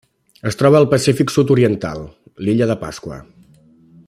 Es troba al Pacífic sud-oriental: l'Illa de Pasqua.